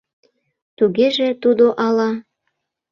— Тугеже тудо ала...